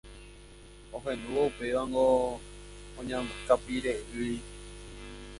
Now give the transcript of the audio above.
Ohendúvo upévango oñakãpire'ỹi.